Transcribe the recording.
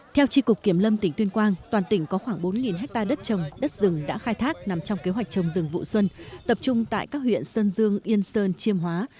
theo tri cục kiểm lâm tỉnh tuyên quang toàn tỉnh có khoảng bốn hectare đất trồng đất rừng đã khai thác nằm trong kế hoạch trồng rừng vụ xuân tập trung tại các huyện sơn dương yên sơn chiêm hóa